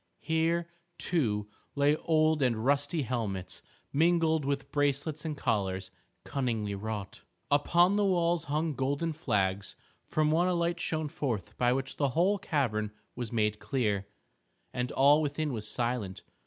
Here, too, lay old and rusty helmets, mingled with bracelets and collars cunningly wrought. Upon the walls hung golden flags. From one a light shone forth by which the whole cavern was made clear. And all within was silent.